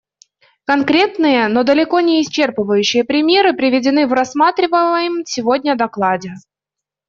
Конкретные, но далеко не исчерпывающие примеры приведены в рассматриваемом сегодня докладе.